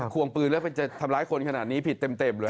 วงปืนแล้วจะทำร้ายคนขนาดนี้ผิดเต็มเลย